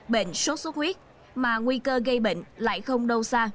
bệnh sốt sốt huyết mà nguy cơ gây bệnh lại không đâu xa